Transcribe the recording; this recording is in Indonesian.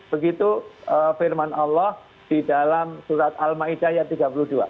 begitu firman allah di dalam surat al ma'idah yang tiga puluh dua